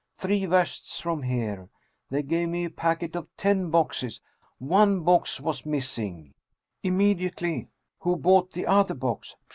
Three versts from here. They gave me a packet of ten boxes. One box was missing. Immediately :* Who bought the other box